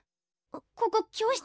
ここ教室？